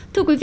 thưa quý vị